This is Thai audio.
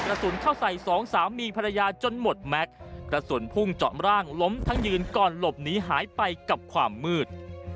กระสุนเข้าใส่สองสามีภรรยาจนหมดแม็กซ์กระสุนพุ่งเจาะร่างล้มทั้งยืนก่อนหลบหนีหายไปกับความมืด